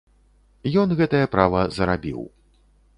Ён гэтае права зарабіў.